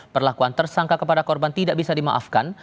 perlakuan tersangka kepada korban tidak bisa dimaafkan